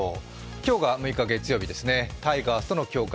今日が６日月曜日ですね、タイガースとの強化